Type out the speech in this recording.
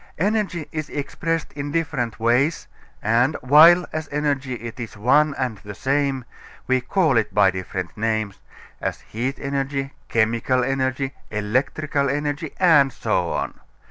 Energy is expressed in different ways, and, while as energy it is one and the same, we call it by different names as heat energy, chemical energy, electrical energy, and so on.